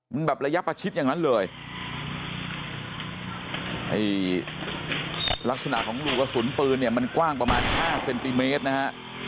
มันแบบระยะประชิดอย่างนั้นเลยไอ้ลักษณะของรูกระสุนปืนเนี่ยมันกว้างประมาณห้าเซนติเมตรนะฮะ